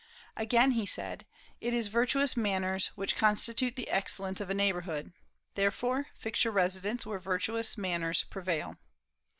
Again he said, "It is virtuous manners which constitute the excellence of a neighborhood; therefore fix your residence where virtuous manners prevail."